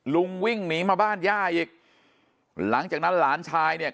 วิ่งหนีมาบ้านย่าอีกหลังจากนั้นหลานชายเนี่ย